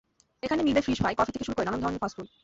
এখানে মিলবে fish fry, coffee থেকে শুরু করে নানা ধরনের ফাস্টফুড।